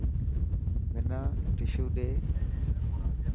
منا ششو ڏي.